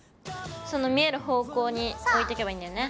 その見える方向においてけばいいんだよね。